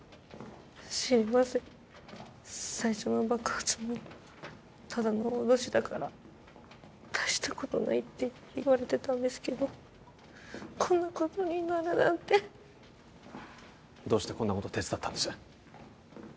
知りません最初の爆発もただの脅しだから大したことないって言われてたんですけどこんなことになるなんてどうしてこんなこと手伝ったんです？